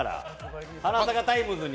「花咲かタイムズ」に。